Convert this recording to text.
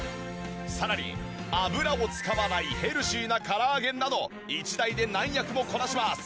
さらに油を使わないヘルシーなから揚げなど一台で何役もこなします！